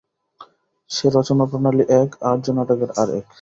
সে রচনা-প্রণালী এক, আর্যনাটকের আর এক।